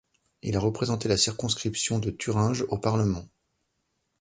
Il a représenté la circonscription de Thuringe au Parlement.